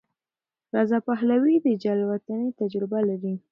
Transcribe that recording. رضا پهلوي د جلاوطنۍ تجربه لري.